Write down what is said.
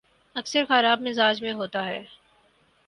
اکثر خراب مزاج میں ہوتا ہوں